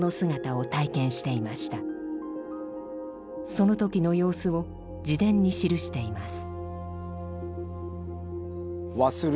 その時の様子を自伝に記しています。